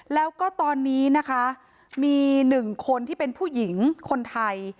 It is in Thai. แล้วก็ตอนนี้นะคะมี๑คนที่เป็นผู้หญิงคนไทย